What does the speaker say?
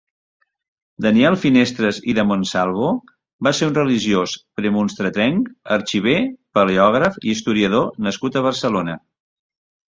Daniel Finestres i de Monsalvo va ser un religiós premonstratenc, arxiver, paleògraf i historiador nascut a Barcelona.